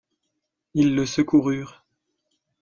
Ils le secoururent.